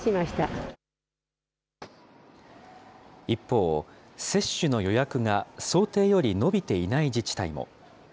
一方、接種の予約が想定より伸びていない自治体も。